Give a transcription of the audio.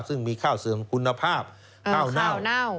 ซึ่งมีข้าวเสื่อมคุณภาพข้าวเน่า